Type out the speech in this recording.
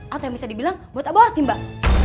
atau yang bisa dibilang buat aborsi mbak